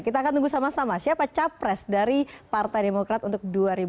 kita akan tunggu sama sama siapa capres dari partai demokrat untuk dua ribu dua puluh